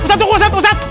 ustadz tunggu ustadz